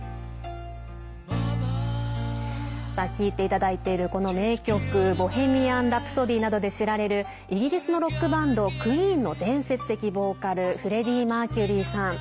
聴いていただいている名曲「ボヘミアン・ラプソディ」などで知られるイギリスのロックバンドクイーンの伝説的ボーカルフレディ・マーキュリーさん。